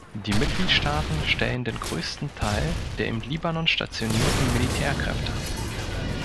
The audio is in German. Die Mitgliedstaaten stellen den größten Teil der im Libanon stationierten Militärkräfte.